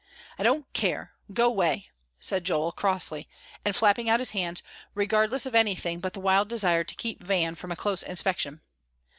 "I don't care go 'way!" said Joel, crossly, and flapping out his hands, regardless of anything but the wild desire to keep Van from a close inspection.